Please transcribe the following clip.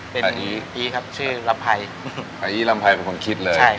เป็นอี้อี้ครับชื่อลำภัยอี้ลำภัยเป็นคนคิดเลยใช่ครับผม